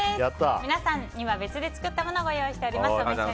皆様には別で作ったものをご用意しております。